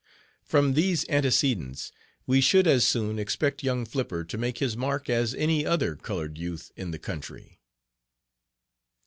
From these antecedents we should as soon expect young Flipper to make his mark as any other colored youth in the country."